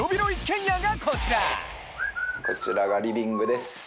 こちらがリビングです。